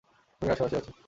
খুনিরা আশেপাশেই আছে!